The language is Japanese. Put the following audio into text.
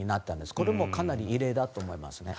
これもかなり異例だと思いますね。